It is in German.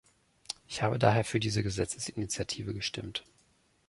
Ich habe daher für diese Gesetzesinitiative gestimmt.